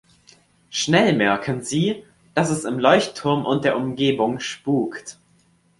Schnell merken sie, dass es im Leuchtturm und der Umgebung spukt.